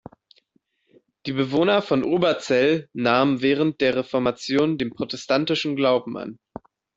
Die Bewohner von Oberzell nahmen während der Reformation den protestantischen Glauben an.